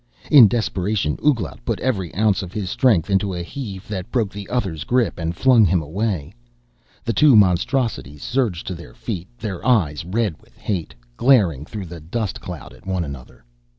In desperation Ouglat put every ounce of his strength into a heave that broke the other's grip and flung him away. The two monstrosities surged to their feet, their eyes red with hate, glaring through the dust cloud at one another.